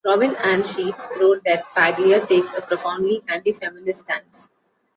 Robin Ann Sheets wrote that Paglia takes a profoundly anti-feminist stance.